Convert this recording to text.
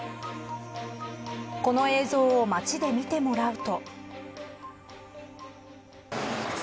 この映像を街で見てもらうと。